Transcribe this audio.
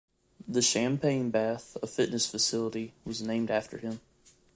The Champagne Bath, a fitness facility, was named after him.